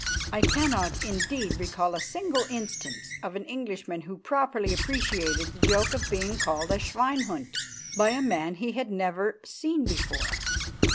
I cannot, indeed, recall a single instance of an Englishman who properly appreciated the joke of being called a "Schweinhund" by a man he had never seen before.